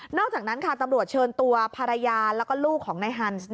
อกจากนั้นค่ะตำรวจเชิญตัวภรรยาแล้วก็ลูกของนายฮันส์